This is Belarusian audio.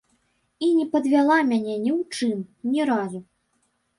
І не падвяла мяне ні ў чым, ні разу.